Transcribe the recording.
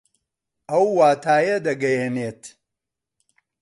ئەو واتایە دەگەیەنێت